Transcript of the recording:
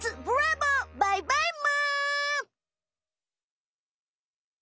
バイバイむ！